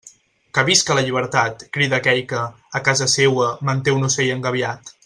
Que visca la llibertat, crida aquell que, a casa seua, manté un ocell engabiat.